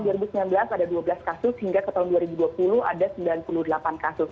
dari tahun dua ribu sembilan belas ada dua belas kasus hingga ke tahun dua ribu dua puluh ada sembilan puluh delapan kasus